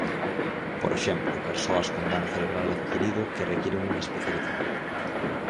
Por exemplo, persoas con dano cerebral adquirido que requiren unha especialización.